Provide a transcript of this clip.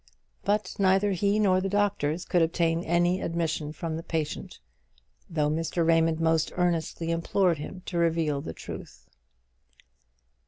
But neither he nor the doctors could obtain any admission from the patient, though Mr. Raymond most earnestly implored him to reveal the truth.